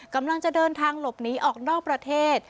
กำลังจะเดินทางหลบหนีออกนอกประเทศ